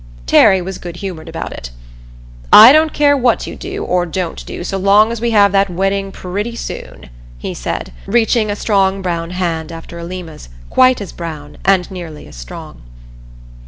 Terry was good humored about it. "I don't care what you do or don't do so long as we have that wedding pretty soon," he said, reaching a strong brown hand after Alima's, quite as brown and nearly as strong.